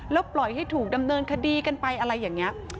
แล้วปล่อยให้ถูกดำเนินคดีกันไปอะไรอย่างนี้